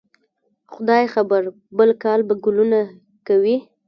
خدای خبر؟ بل کال به ګلونه کوي